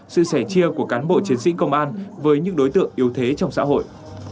sự sẻ chia của cán bộ chiến sĩ công an với những đối tượng yếu thế trong xã hội